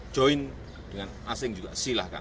join dengan asing juga silahkan